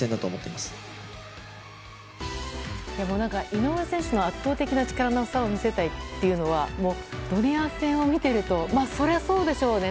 井上選手の、圧倒的な力の差を見せたいというのはドネア戦を見ているとそりゃそうでしょうね